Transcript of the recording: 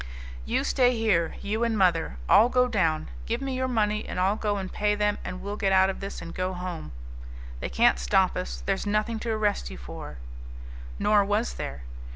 "You stay here, you and mother. I'll go down. Give me your money and I'll go and pay them and we'll get out of this and go home. They can't stop us; there's nothing to arrest you for." Nor was there.